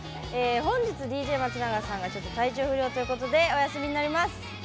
本日ＤＪ松永さんがちょっと体調不良ということでお休みになります。